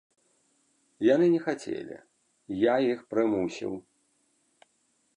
Яны не хацелі, я іх прымусіў!